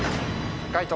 解答